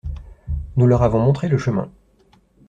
Nous leur avons montré le chemin.